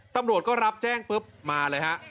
ตำรวจก็รับแจ้งปุ๊บมาเลยฮะ